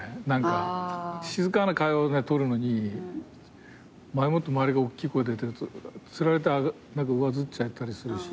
静かな会話を撮るのに前もって周りが大きい声出てると釣られて上ずっちゃったりするし。